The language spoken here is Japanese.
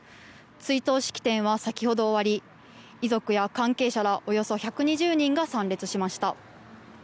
追悼式典は先ほど終わり遺族や関係者らおよそ１２０人が参列しました。